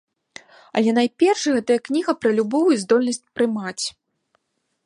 Але найперш гэтая кніга пра любоў і здольнасць прымаць.